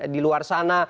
di luar sana